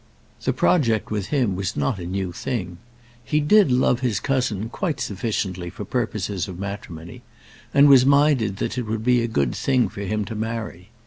The project with him was not a new thing. He did love his cousin quite sufficiently for purposes of matrimony, and was minded that it would be a good thing for him to marry.